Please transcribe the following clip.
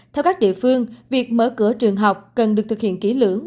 theo các địa phương việc mở cửa trường học cần được thực hiện kỹ lưỡng